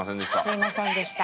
すみませんでした。